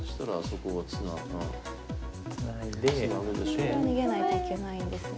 これは逃げないといけないんですよね。